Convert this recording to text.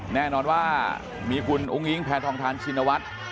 แน่นอนว่ามีคุณอุ้งอิงแพทองทานชินวัฒน์